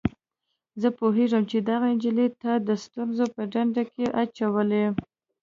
زه پوهیږم چي دغه نجلۍ تا د ستونزو په ډنډ کي اچولی.